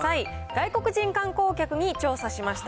外国人観光客に調査しました。